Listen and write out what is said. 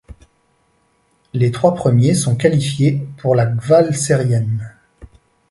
Les trois premiers sont qualifiés pour la Kvalserien.